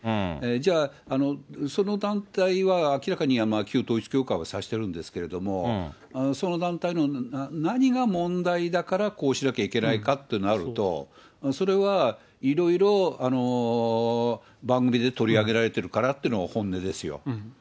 じゃあ、その団体は明らかに旧統一教会を差してるんですけども、その団体の何が問題だから、こうしなきゃいけないかってなると、それはいろいろ番組で取り上げられてるからというのが本音ですよ。